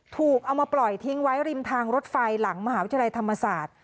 เอามาปล่อยทิ้งไว้ริมทางรถไฟหลังมหาวิทยาลัยธรรมศาสตร์